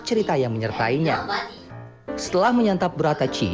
cerita yang menyertainya setelah menyantap berat aci